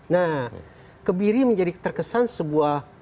nah kebiri menjadi terkesan sebuah